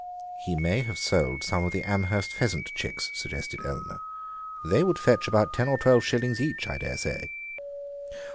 "He may have sold some of the Amherst pheasant chicks," suggested Eleanor; "they would fetch about ten or twelve shillings each, I daresay."